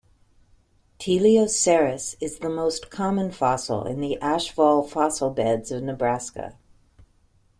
"Teleoceras" is the most common fossil in the Ashfall Fossil Beds of Nebraska.